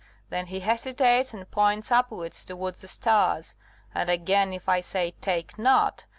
then he hesitates and points upwards towards the stars. And again, if I say, 'Take not!